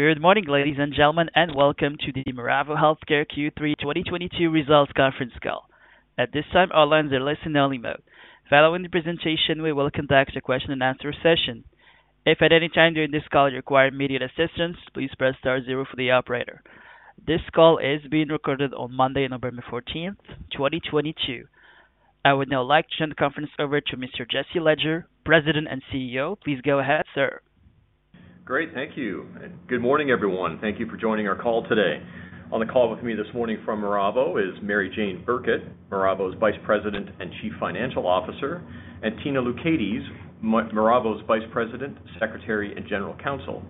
Good morning, ladies and gentlemen, and welcome to the Miravo Healthcare Q3 2022 Results Conference Call. At this time, all lines are in listen-only mode. Following the presentation, we will conduct a question-and-answer session. If at any time during this call you require immediate assistance, please press star zero for the operator. This call is being recorded on Monday, November 14th, 2022. I would now like to turn the conference over to Mr. Jesse Ledger, President and CEO. Please go ahead, sir. Great. Thank you. Good morning, everyone. Thank you for joining our call today. On the call with me this morning from Miravo is Mary-Jane Burkett, Miravo's Vice President and Chief Financial Officer, and Tina K. Loucaides, Miravo's Vice President, Secretary, and General Counsel.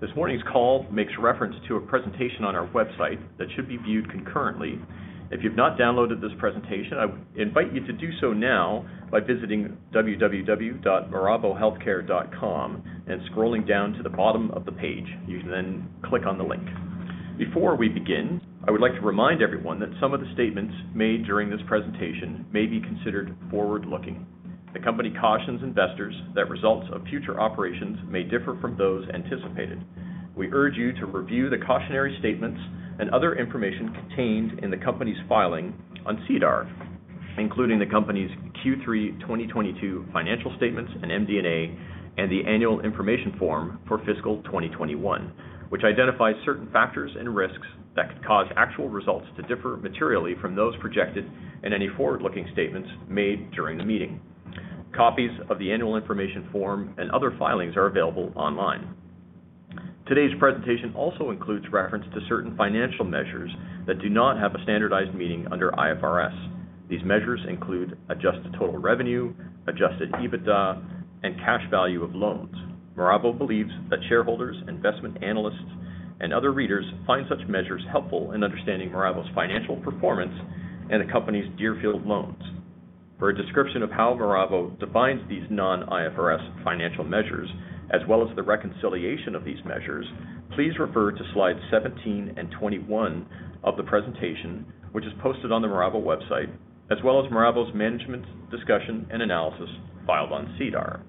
This morning's call makes reference to a presentation on our website that should be viewed concurrently. If you've not downloaded this presentation, I would invite you to do so now by visiting www.miravohealthcare.com and scrolling down to the bottom of the page. You can then click on the link. Before we begin, I would like to remind everyone that some of the statements made during this presentation may be considered forward-looking. The company cautions investors that results of future operations may differ from those anticipated. We urge you to review the cautionary statements and other information contained in the company's filing on SEDAR, including the company's Q3 2022 financial statements and MD&A and the annual information form for fiscal 2021, which identifies certain factors and risks that could cause actual results to differ materially from those projected in any forward-looking statements made during the meeting. Copies of the annual information form and other filings are available online. Today's presentation also includes reference to certain financial measures that do not have a standardized meaning under IFRS. These measures include Adjusted Total Revenue, Adjusted EBITDA, and carrying value of loans. Miravo believes that shareholders, investment analysts, and other readers find such measures helpful in understanding Miravo's financial performance and assessing Deerfield loans. For a description of how Miravo defines these non-IFRS financial measures as well as the reconciliation of these measures, please refer to slides 17 and 21 of the presentation, which is posted on the Miravo website, as well as Miravo's management discussion and analysis filed on SEDAR.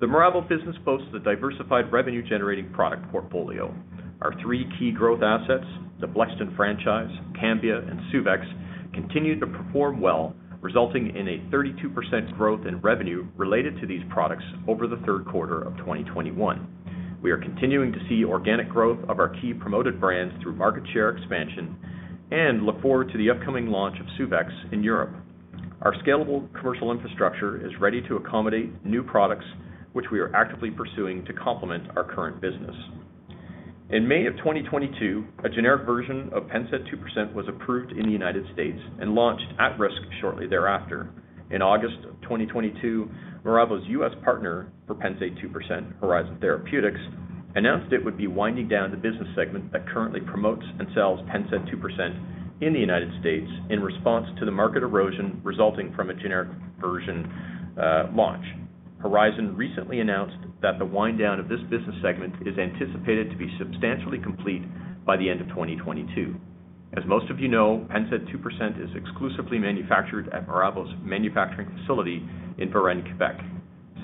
The Miravo business boasts a diversified revenue-generating product portfolio. Our three key growth assets, the Blexten franchise, Cambia, and Suvexx, continue to perform well, resulting in a 32% growth in revenue related to these products over the third quarter of 2021. We are continuing to see organic growth of our key promoted brands through market share expansion and look forward to the upcoming launch of Suvexx in Europe. Our scalable commercial infrastructure is ready to accommodate new products, which we are actively pursuing to complement our current business. In May of 2022, a generic version of Pennsaid 2% was approved in the United States and launched at-risk shortly thereafter. In August of 2022, Miravo's U.S. Partner for Pennsaid 2%, Horizon Therapeutics, announced it would be winding down the business segment that currently promotes and sells Pennsaid 2% in the United States in response to the market erosion resulting from a generic version launch. Horizon recently announced that the wind down of this business segment is anticipated to be substantially complete by the end of 2022. As most of you know, Pennsaid 2% is exclusively manufactured at Miravo's manufacturing facility in Varennes, Quebec.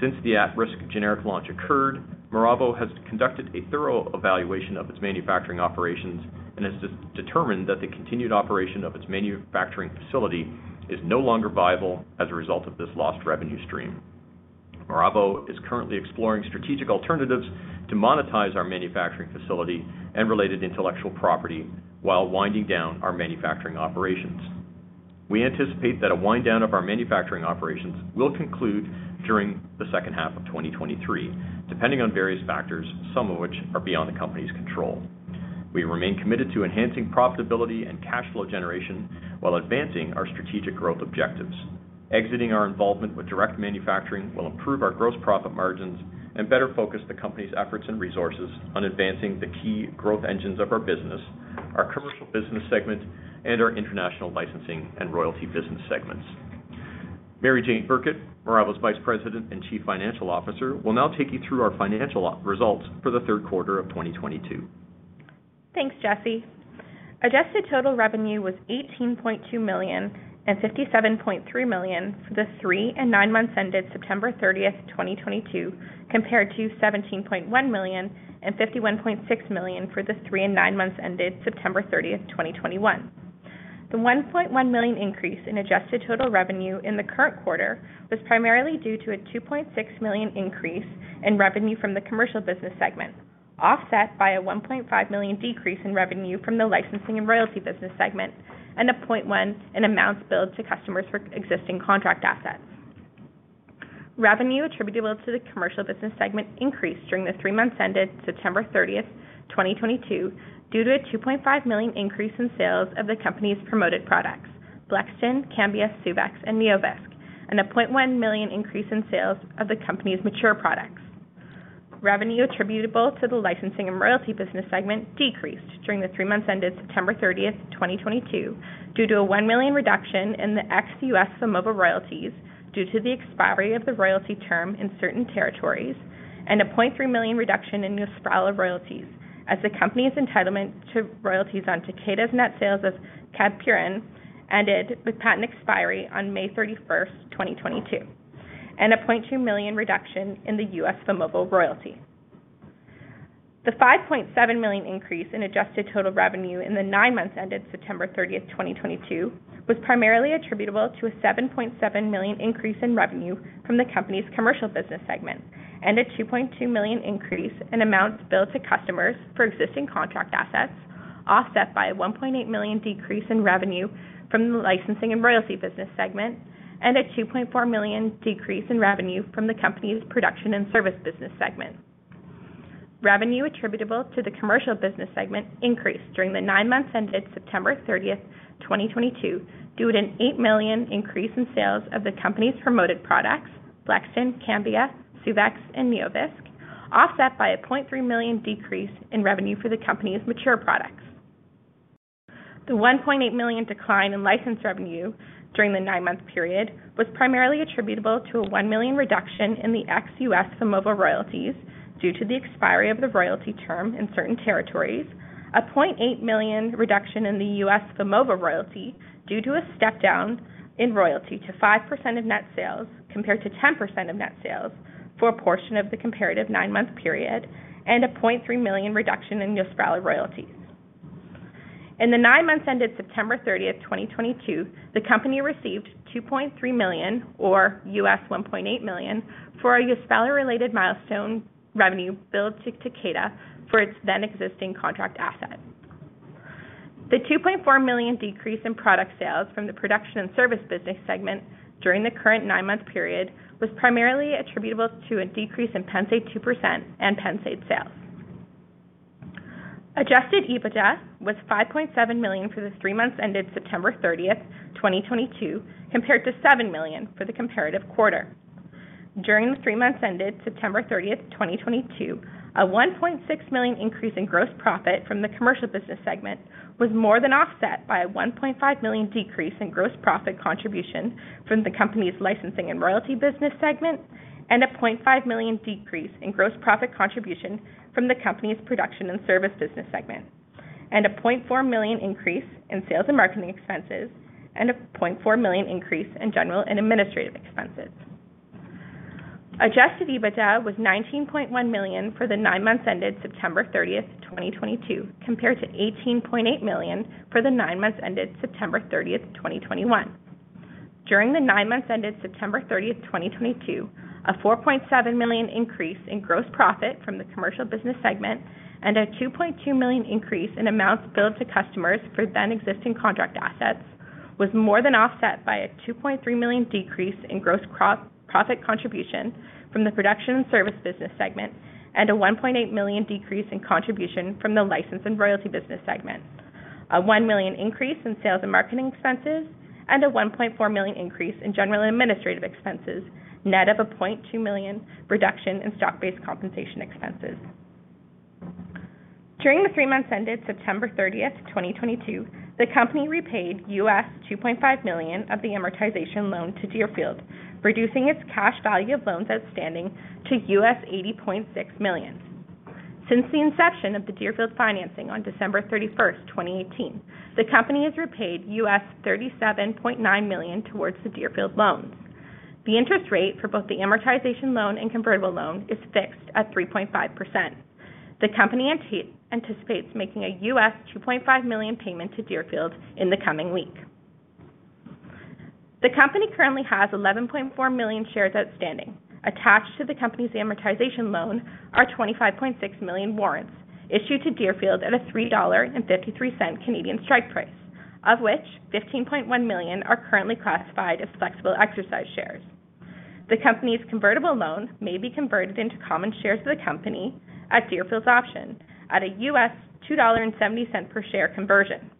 Since the at-risk generic launch occurred, Miravo has conducted a thorough evaluation of its manufacturing operations and has determined that the continued operation of its manufacturing facility is no longer viable as a result of this lost revenue stream. Miravo is currently exploring strategic alternatives to monetize our manufacturing facility and related intellectual property while winding down our manufacturing operations. We anticipate that a wind down of our manufacturing operations will conclude during the second half of 2023, depending on various factors, some of which are beyond the company's control. We remain committed to enhancing profitability and cash flow generation while advancing our strategic growth objectives. Exiting our involvement with direct manufacturing will improve our gross profit margins and better focus the company's efforts and resources on advancing the key growth engines of our business, our commercial business segment, and our international licensing and royalty business segments. Mary-Jane Burkett, Miravo's Vice President and Chief Financial Officer, will now take you through our financial results for the third quarter of 2022. Thanks, Jesse. Adjusted Total Revenue was 18.2 million and 57.3 million for the three and nine months ended September 30th, 2022, compared to 17.1 million and 51.6 million for the three and nine months ended September 30th, 2021. The 1.1 million increase in Adjusted Total Revenue in the current quarter was primarily due to a 2.6 million increase in revenue from the commercial business segment, offset by a 1.5 million decrease in revenue from the licensing and royalty business segment and a 0.1 million in amounts billed to customers for existing contract assets. Revenue attributable to the commercial business segment increased during the three months ended September 30th, 2022, due to a 2.5 million increase in sales of the company's promoted products, Blexten, Cambia, Suvexx, and NeoVisc, and a 0.1 million increase in sales of the company's mature products. Revenue attributable to the licensing and royalty business segment decreased during the three months ended September 30th, 2022, due to a 1 million reduction in the ex-U.S. Vimovo royalties due to the expiry of the royalty term in certain territories and a 0.3 million reduction in the Yosprala royalties as the company's entitlement to royalties on Takeda's net sales of Cabpirin ended with patent expiry on May 31, 2022. A 0.2 million reduction in the U.S. Vimovo royalty. The 5.7 million increase in Adjusted Total Revenue in the nine months ended September 30th, 2022, was primarily attributable to a 7.7 million increase in revenue from the company's commercial business segment, and a 2.2 million increase in amounts billed to customers for existing contract assets, offset by a 1.8 million decrease in revenue from the licensing and royalty business segment, and a 2.4 million decrease in revenue from the company's production and service business segment. Revenue attributable to the commercial business segment increased during the nine months ended September 30th, 2022, due to an 8 million increase in sales of the company's promoted products, Blexten, Cambia, Suvexx, and NeoVisc, offset by a 0.3 million decrease in revenue for the company's mature products. The 1.8 million decline in license revenue during the nine-month period was primarily attributable to a 1 million reduction in the ex-U.S. Vimovo royalties due to the expiry of the royalty term in certain territories, a 0.8 million reduction in the U.S. Vimovo royalty due to a step-down in royalty to 5% of net sales compared to 10% of net sales for a portion of the comparative nine-month period, and a 0.3 million reduction in Yosprala royalties. In the nine months ended September 30, 2022, the company received 2.3 million or $1.8 million for a Yosprala-related milestone revenue billed to Takeda for its then existing contract asset. The 2.4 million decrease in product sales from the production and service business segment during the current nine-month period was primarily attributable to a decrease in Pennsaid 2% and Pennsaid sales. Adjusted EBITDA was 5.7 million for the three months ended September 30th, 2022, compared to 7 million for the comparative quarter. During the three months ended September 30th, 2022, a 1.6 million increase in gross profit from the commercial business segment was more than offset by a 1.5 million decrease in gross profit contribution from the company's licensing and royalty business segment, and a 0.5 million decrease in gross profit contribution from the company's production and service business segment, and a 0.4 million increase in sales and marketing expenses, and a 0.4 million increase in general and administrative expenses. Adjusted EBITDA was CAD 19.1 million for the nine months ended September 30, 2022, compared to CAD 18.8 million for the nine months ended September 30, 2021. During the nine months ended September 30, 2022, a 4.7 million increase in gross profit from the commercial business segment and a 2.2 million increase in amounts billed to customers for then existing contract assets was more than offset by a 2.3 million decrease in gross profit contribution from the production and service business segment, and a 1.8 million decrease in contribution from the license and royalty business segment, a 1 million increase in sales and marketing expenses, and a 1.4 million increase in general and administrative expenses, net of a 0.2 million reduction in stock-based compensation expenses. During the three months ended September 30th, 2022, the company repaid $2.5 million of the amortization loan to Deerfield, reducing its carrying value of loans outstanding to $80.6 million. Since the inception of the Deerfield financing on December 31st, 2018, the company has repaid $37.9 million towards the Deerfield loans. The interest rate for both the amortization loan and convertible loan is fixed at 3.5%. The company anticipates making a $2.5 million payment to Deerfield in the coming week. The company currently has 11.4 million shares outstanding. Attached to the company's amortization loan are 25.6 million warrants issued to Deerfield at a $3.53 CAD strike price, of which 15.1 million are currently classified as exercisable shares. The company's convertible loans may be converted into common shares of the company at Deerfield's option at a $2.70 per share conversion.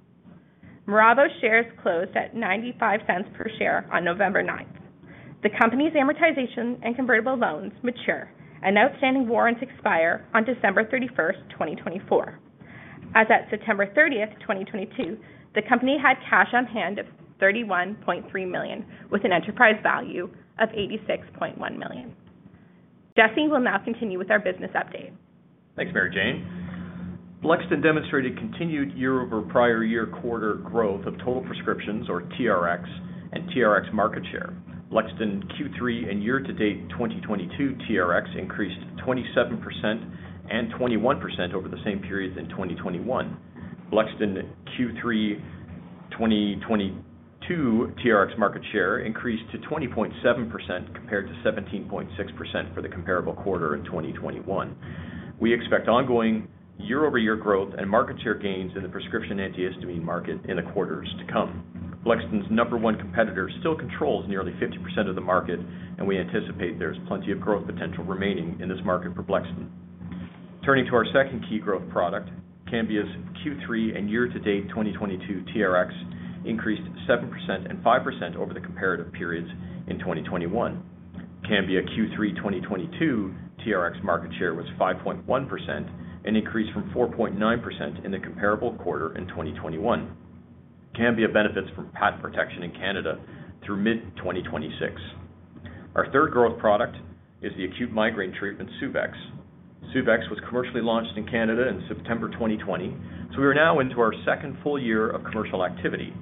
Miravo shares closed at 0.95 per share on November 9. The company's amortization and convertible loans mature and outstanding warrants expire on December 31st, 2024. As at September 30th, 2022, the company had cash on hand of 31.3 million, with an enterprise value of 86.1 million. Jesse will now continue with our business update. Thanks, Mary-Jane. Blexten demonstrated continued year-over-year quarter growth of total prescriptions, or TRXs, and TRX market share. Blexten Q3 and year-to-date 2022 TRXs increased 27% and 21% over the same periods in 2021. Blexten Q3 2022 TRX market share increased to 20.7% compared to 17.6% for the comparable quarter in 2021. We expect ongoing year-over-year growth and market share gains in the prescription antihistamine market in the quarters to come. Blexten's number one competitor still controls nearly 50% of the market, and we anticipate there's plenty of growth potential remaining in this market for Blexten. Turning to our second key growth product, Cambia's Q3 and year-to-date 2022 TRXs increased 7% and 5% over the comparative periods in 2021. Cambia Q3 2022 TRX market share was 5.1%, an increase from 4.9% in the comparable quarter in 2021. Cambia benefits from patent protection in Canada through mid-2026. Our third growth product is the acute migraine treatment, Suvexx. Suvexx was commercially launched in Canada in September 2020. We are now into our second full year of commercial activity.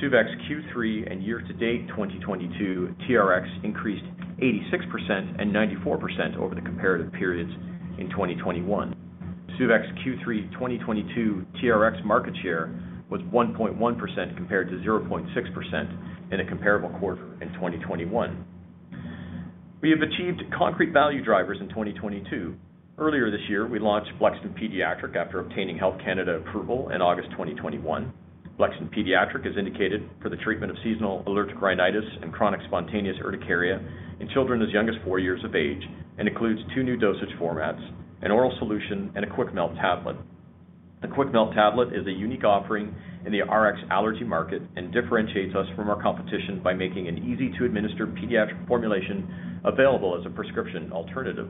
Suvexx Q3 and year-to-date 2022 TRX increased 86% and 94% over the comparative periods in 2021. Suvexx Q3 2022 TRX market share was 1.1% compared to 0.6% in a comparable quarter in 2021. We have achieved concrete value drivers in 2022. Earlier this year, we launched Blexten pediatric after obtaining Health Canada approval in August 2021. Blexten pediatric is indicated for the treatment of seasonal allergic rhinitis and chronic spontaneous urticaria in children as young as four years of age and includes two new dosage formats, an oral solution and a quick melt tablet. The quick melt tablet is a unique offering in the RX allergy market and differentiates us from our competition by making an easy to administer pediatric formulation available as a prescription alternative.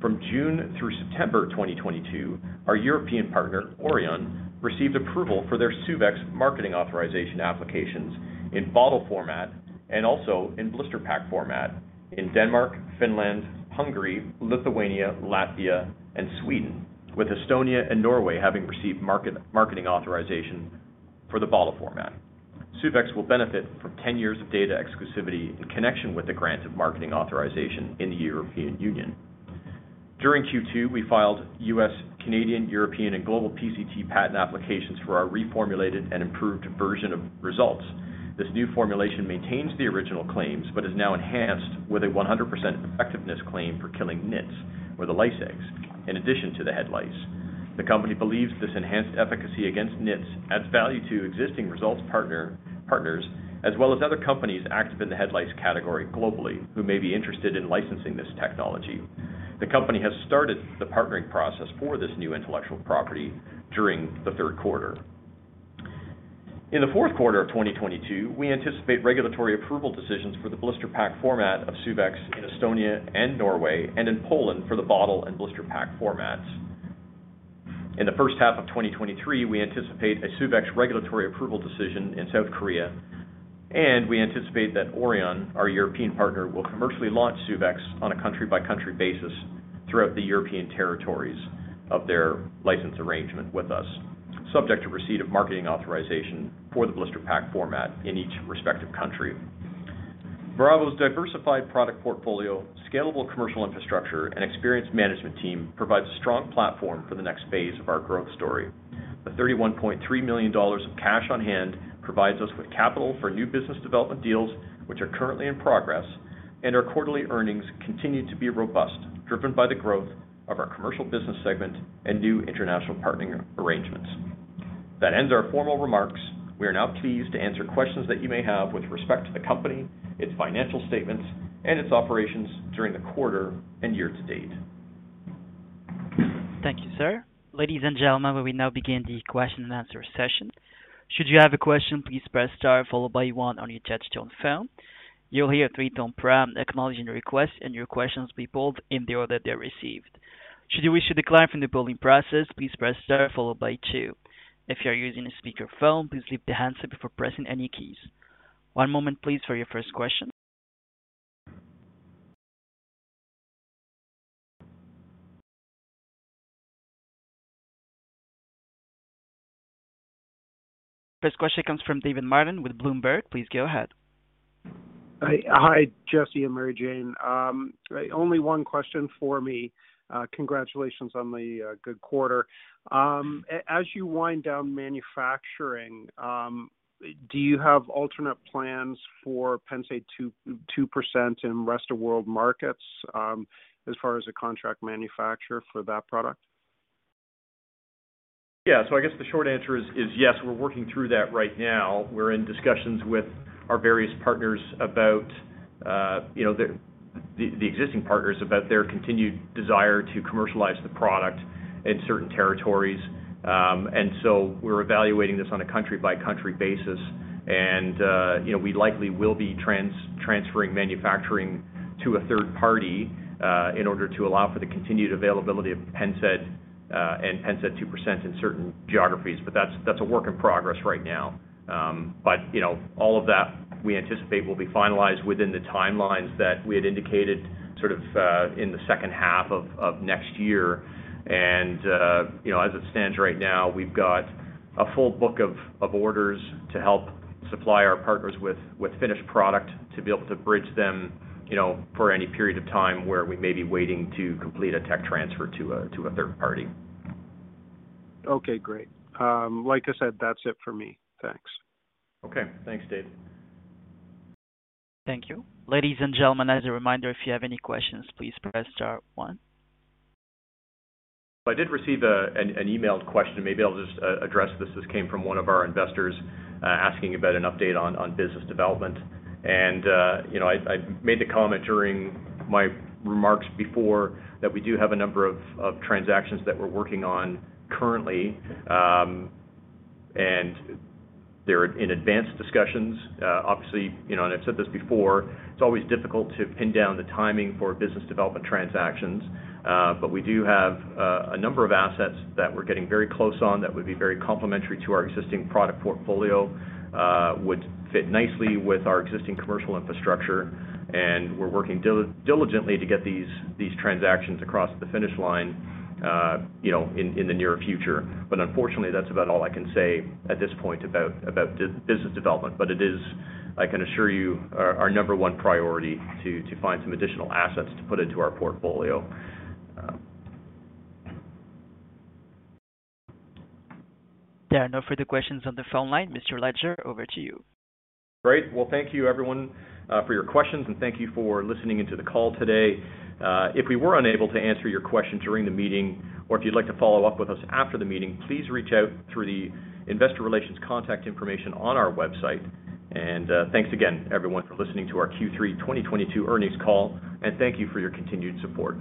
From June through September 2022, our European partner, Orion, received approval for their Suvexx marketing authorization applications in bottle format and also in blister pack format in Denmark, Finland, Hungary, Lithuania, Latvia, and Sweden, with Estonia and Norway having received marketing authorization for the bottle format. Suvexx will benefit from ten years of data exclusivity in connection with the grant of marketing authorization in the European Union. During Q2, we filed U.S., Canadian, European, and global PCT patent applications for our reformulated and improved version of Resultz. This new formulation maintains the original claims, but is now enhanced with a 100% effectiveness claim for killing nits or the lice eggs in addition to the head lice. The company believes this enhanced efficacy against nits adds value to existing Resultz partners, as well as other companies active in the head lice category globally who may be interested in licensing this technology. The company has started the partnering process for this new intellectual property during the third quarter. In the fourth quarter of 2022, we anticipate regulatory approval decisions for the blister pack format of Suvexx in Estonia and Norway and in Poland for the bottle and blister pack formats. In the first half of 2023, we anticipate a Suvexx regulatory approval decision in South Korea, and we anticipate that Orion, our European partner, will commercially launch Suvexx on a country-by-country basis throughout the European territories of their license arrangement with us, subject to receipt of marketing authorization for the blister pack format in each respective country. Miravo's diversified product portfolio, scalable commercial infrastructure, and experienced management team provides a strong platform for the next phase of our growth story. The 31.3 million dollars of cash on hand provides us with capital for new business development deals, which are currently in progress. Our quarterly earnings continue to be robust, driven by the growth of our commercial business segment and new international partnering arrangements. That ends our formal remarks. We are now pleased to answer questions that you may have with respect to the company, its financial statements, and its operations during the quarter and year to date. Thank you, sir. Ladies and gentlemen, we will now begin the question-and-answer session. Should you have a question, please press star followed by one on your touchtone phone. You'll hear a three-tone prompt acknowledging your request and your questions will be pulled in the order they're received. Should you wish to decline from the polling process, please press star followed by two. If you're using a speakerphone, please lift the handset before pressing any keys. One moment please for your first question. First question comes from David Martin with Bloomberg. Please go ahead. Hi, Jesse and Mary-Jane. Only one question for me. Congratulations on the good quarter. As you wind down manufacturing, do you have alternate plans for Pennsaid 2% in rest-of-world markets, as far as a contract manufacturer for that product? Yeah. I guess the short answer is yes, we're working through that right now. We're in discussions with our various partners about, you know, the existing partners about their continued desire to commercialize the product in certain territories. We're evaluating this on a country-by-country basis. You know, we likely will be transferring manufacturing to a third party in order to allow for the continued availability of Pennsaid and Pennsaid 2% in certain geographies. That's a work in progress right now. You know, all of that we anticipate will be finalized within the timelines that we had indicated sort of in the second half of next year. You know, as it stands right now, we've got a full book of orders to help supply our partners with finished product to be able to bridge them, you know, for any period of time where we may be waiting to complete a tech transfer to a third party. Okay, great. Like I said, that's it for me. Thanks. Okay. Thanks, David. Thank you. Ladies and gentlemen, as a reminder, if you have any questions, please press star one. I did receive an emailed question. Maybe I'll just address this. This came from one of our investors asking about an update on business development. You know, I made the comment during my remarks before that we do have a number of transactions that we're working on currently. They're in advanced discussions. Obviously, you know, and I've said this before, it's always difficult to pin down the timing for business development transactions. But we do have a number of assets that we're getting very close on that would be very complementary to our existing product portfolio, would fit nicely with our existing commercial infrastructure, and we're working diligently to get these transactions across the finish line, you know, in the near future. Unfortunately, that's about all I can say at this point about the business development. It is, I can assure you, our number one priority to find some additional assets to put into our portfolio. There are no further questions on the phone line. Mr. Ledger, over to you. Great. Well, thank you everyone for your questions, and thank you for listening into the call today. If we were unable to answer your question during the meeting, or if you'd like to follow up with us after the meeting, please reach out through the investor relations contact information on our website. Thanks again, everyone, for listening to our Q3 2022 earnings call, and thank you for your continued support.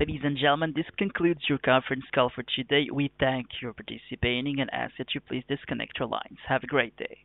Ladies and gentlemen, this concludes your conference call for today. We thank you for participating and ask that you please disconnect your lines. Have a great day.